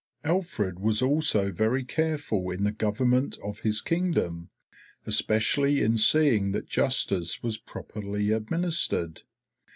Alfred was also very careful in the government of his Kingdom, especially in seeing that justice was properly administered.